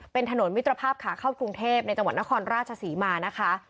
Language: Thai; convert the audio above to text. เป็นถนนมิตรภาพขาเข้ากรุงเทพในจังหวัดนครราชศรีมานะคะ